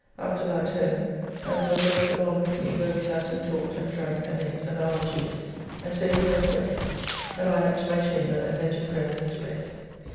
After that home, and Will Joyce along with me where we sat and talked and drank and ate an hour or two, and so he went away and I up to my chamber and then to prayers and to bed.